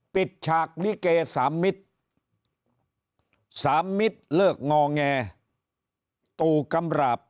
ฉากลิเกสามมิตรสามมิตรเลิกงอแงตู่กำราบ